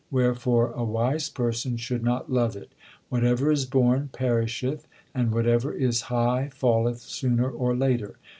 Wherefore a wise person should not love it. Whatever is born perisheth, and whatever is high falleth sooner or later.